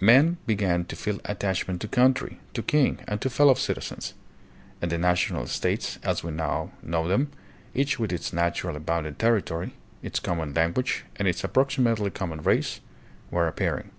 Men began to feel attach ment to country, to king, and to fellow citizens; and the national states, as we now know them, each with its 46 THE PHILIPPINES. naturally bounded territory, its common language, and its approximately common race, were appearing.